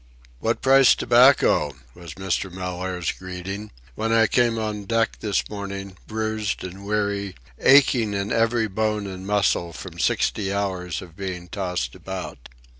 "What price tobacco?" was Mr. Mellaire's greeting, when I came on deck this morning, bruised and weary, aching in every bone and muscle from sixty hours of being tossed about.